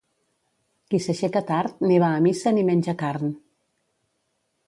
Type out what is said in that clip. Qui s'aixeca tard, ni va a missa ni menja carn.